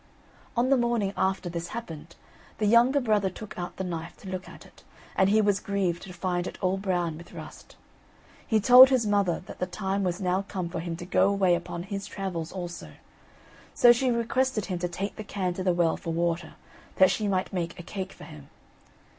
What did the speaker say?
On the morning after this happened, the younger brother took out the knife to look at it, and he was grieved to find it all brown with rust. He told his mother that the time was now come for him to go away upon his travels also; so she requested him to take the can to the well for water, that she might make a cake for him.